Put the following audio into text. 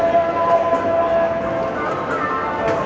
ขอบคุณทุกคนมากครับที่ทุกคนรัก